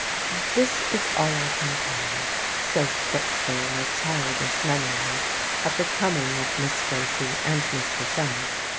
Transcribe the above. This is all I can tell so fitful are childish memories of the coming of Miss Bracy and Mr. Frank.